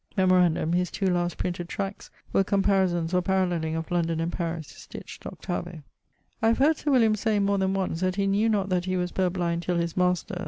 Memorandum: his 2 last printed tracts were comparisons or paralleling of London and Paris, stitcht, 8vo. I have heard Sir William say more than once, that he knew not that he was purblind till his master[LVIII.